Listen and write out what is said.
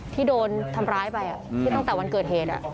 ที่โดนทำร้ายไปที่ตั้งแต่วันเกิดเหตุ